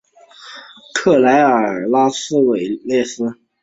圣伊莱尔拉格拉韦勒。